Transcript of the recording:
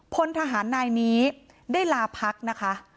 พลทหารนายนี้ได้ลาพักนะคะ